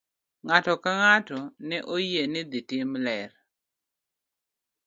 Ng'ato ka ng'ato ne oyie ni ne idhi tim ler.